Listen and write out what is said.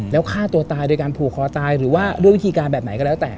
แล้วฆ่าตัวตายโดยการผูกคอตายหรือว่าด้วยวิธีการแบบไหนก็แล้วแต่